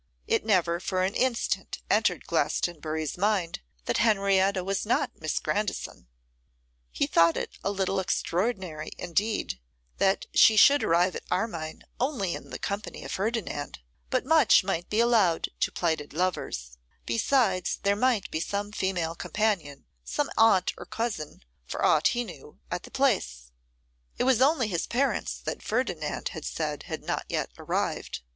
It never for an instant entered Glastonbury's mind that Henrietta was not Miss Grandi He thought it a little extraordinary, indeed, that she should arrive at Armine only in the company of Ferdinand; but much might be allowed to plighted lovers; besides, there might be some female companion, some aunt or cousin, for aught he knew, at the Place. It was only his parents that Ferdinand had said had not yet arrived.